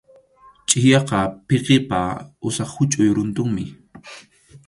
Chʼiyaqa pikipa usap huchʼuy runtunmi.